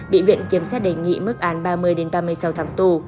bị viện kiểm sát đề nghị mức án ba mươi ba mươi sáu tháng tù